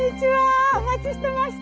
お待ちしてました。